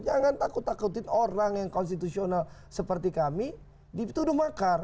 jangan takut takutin orang yang konstitusional seperti kami dituduh makar